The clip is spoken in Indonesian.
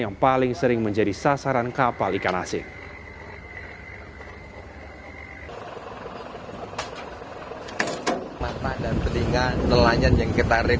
yang paling sering menjadi sasaran kapal ikan asing